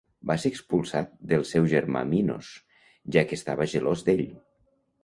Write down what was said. Va ser expulsat del seu germà Minos, ja que estava gelós d'ell.